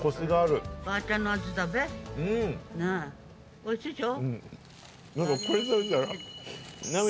おいしいでしょ？